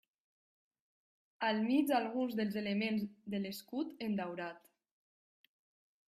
Al mig alguns dels elements de l'escut en daurat.